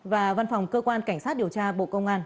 và văn phòng cơ quan cảnh sát điều tra bộ công an